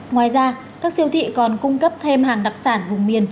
ngoài ra các siêu thị còn cung cấp thêm hàng đặc sản vùng miền